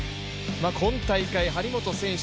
今大会、張本選手